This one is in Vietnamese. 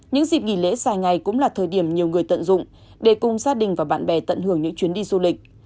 những dịp nghỉ lễ dài ngày cũng là thời điểm nhiều người tận dụng để cùng gia đình và bạn bè tận hưởng những chuyến đi du lịch